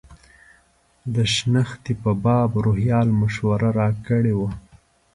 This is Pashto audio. د شنختې په باب روهیال مشوره راسره کړې وه.